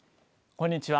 こんにちは。